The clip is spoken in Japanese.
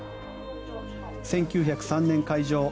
１９０３年開場。